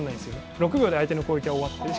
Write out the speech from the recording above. ６秒で相手の攻撃が終わってる。